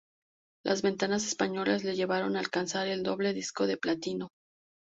Las ventas españolas le llevaron a alcanzar el doble disco de platino.